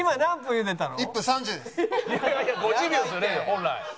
本来。